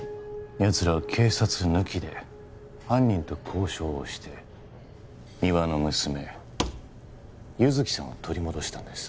やつらは警察抜きで犯人と交渉をして三輪の娘優月さんを取り戻したんです